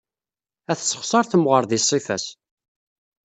Ad tessexṣar temɣeṛ di ṣṣifa-s.